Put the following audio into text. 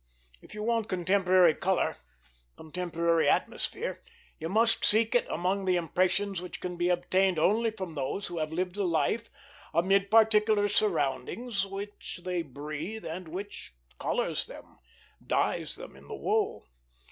If you want contemporary color, contemporary atmosphere, you must seek it among the impressions which can be obtained only from those who have lived a life amid particular surroundings, which they breathe and which colors them dyes them in the wool.